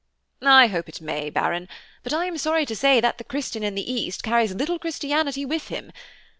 "I hope it may, Baron; but I am sorry to say that the Christian in the East carries little Christianity with him.